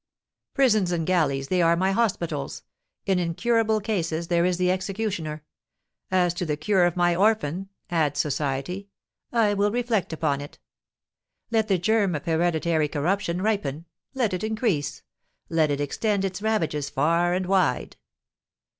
"Prisons and galleys, they are my hospitals. In incurable cases there is the executioner. As to the cure of my orphan," adds society, "I will reflect upon it. Let the germ of hereditary corruption ripen; let it increase; let it extend its ravages far and wide.